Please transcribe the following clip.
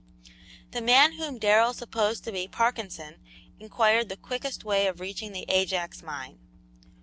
The man whom Darrell supposed to be Parkinson inquired the quickest way of reaching the Ajax mine.